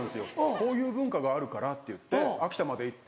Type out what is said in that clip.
こういう文化があるからっていって秋田まで行って。